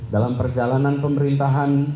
dalam perjalanan pemerintahan